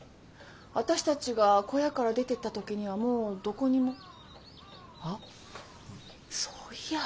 私たちが小屋から出てった時にはもうどこにもあっそういや。